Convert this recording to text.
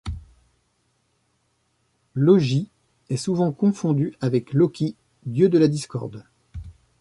Logi est souvent confondu avec Loki, dieu de la discorde.